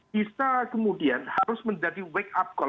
bisa kemudian harus menjadi wake up call